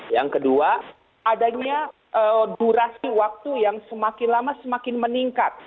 yang kedua adanya durasi waktu yang semakin lama semakin meningkat